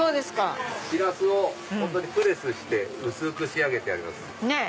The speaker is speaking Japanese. シラスをプレスして薄く仕上げてあります。